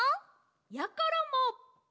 やころも。